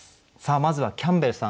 まずはキャンベルさん